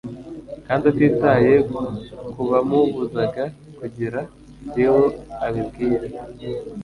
kandi atitaye ku bamubuzaga kugira Liwo abibwira,